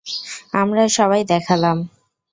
আমরা সবাই দেখালাম!